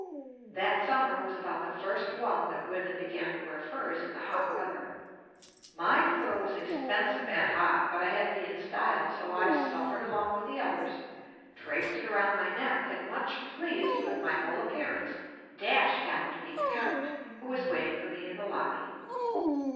That summer was about the first one that women began to wear furs in the hot weather. My fur was expensive and hot, but JUST ME I had to be in style so I suffered along with the others, draped it around my neck and much pleased with my whole appearance dashed down to meet the Count, who was waiting for me in the lobby.